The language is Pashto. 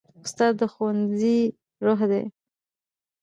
استاد د ښوونځي روح دی.